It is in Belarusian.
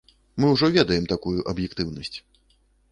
Мы ўжо ведаем такую аб'ектыўнасць.